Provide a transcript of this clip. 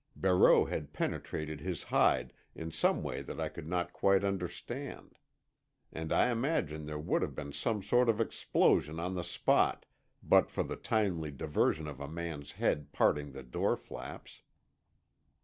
Barreau had penetrated his hide, in some way that I could not quite understand. And I imagine there would have been some sort of explosion on the spot, but for the timely diversion of a man's head parting the door flaps.